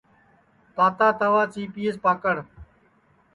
تاتا توا چیپئیس پکڑ